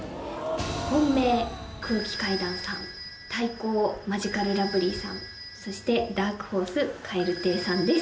本命空気階段さん対抗マヂカルラブリーさんそしてダークホース蛙亭さんです